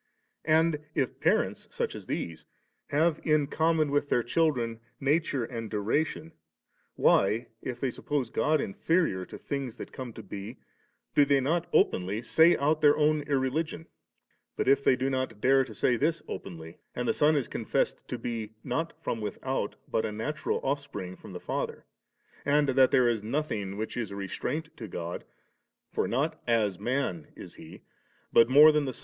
And if parents, such as these, have in common with their children nature and duration, why, if they suppose God in ferior to things that come to be^ do they not openly say out their own irreligion ? But if they do not dare to say this openly, and the Son is confessed to be, not from without, but a natural offspring from the Father, and diat there is nothing which is a restraint to God (for not as man is He, but more than the.